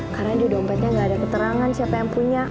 karena di dompetnya gak ada keterangan siapa yang punya